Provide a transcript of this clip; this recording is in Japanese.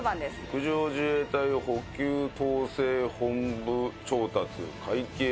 陸上自衛隊補給統制本部調達会計部調達管理課。